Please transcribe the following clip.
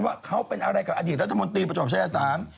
ว่าเขาเป็นอะไรกับอดีตรัฐมนตรีประจบชายสาม